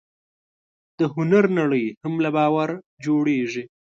د هنر نړۍ هم له باور جوړېږي.